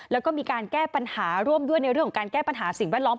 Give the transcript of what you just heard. แล้วก็มีการแก้ปัญหาร่วมด้วยในเรื่องของการแก้ปัญหาสิ่งแวดล้อม